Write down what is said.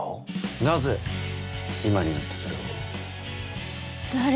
なぜ今になってそれを？